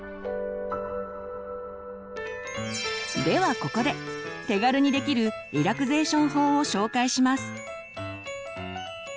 ではここで手軽にできるリラクゼーション法を紹介します。